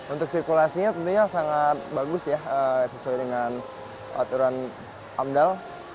untuk sirkulasinya tentunya sangat bagus ya sesuai dengan aturan amdal